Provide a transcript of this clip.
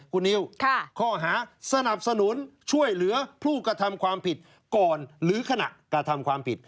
คุณนิวข้อหาสนับสนุนช่วยเหลือผู้กระทำความผิดก่อนหรือขณะกระทำความผิด